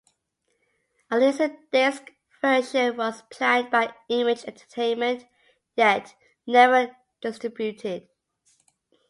A laserdisc version was planned by Image Entertainment yet never distributed.